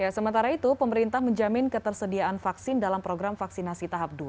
sementara itu pemerintah menjamin ketersediaan vaksin dalam program vaksinasi tahap dua